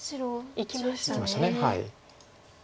いきました。